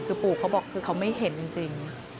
คือปู่เขาบอกคือเขาไม่เห็นจริง